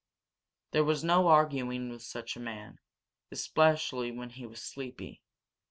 There was no arguing with such a man, especially when he was sleepy.